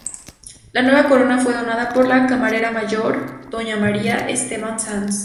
La nueva corona fue donada por la Camarera Mayor, doña María Esteban Sanz.